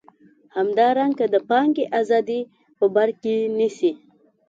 همدارنګه د پانګې ازادي په بر کې نیسي.